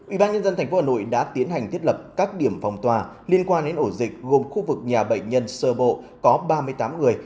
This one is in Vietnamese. ủy ban nhân dân tp hà nội đã tiến hành thiết lập các điểm phòng tòa liên quan đến ổ dịch gồm khu vực nhà bệnh nhân sơ bộ có ba mươi tám người